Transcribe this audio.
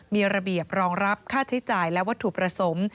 มีระเบียบรองรับค่าใช้จ่ายและวัตถุประสงค์